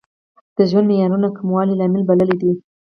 د ژوند معیارونو کموالی لامل بللی دی.